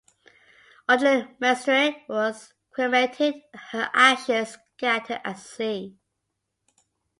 Audrey Mestre was cremated, her ashes scattered at sea.